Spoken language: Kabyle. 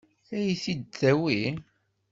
Ad iyi-t-id-tawi?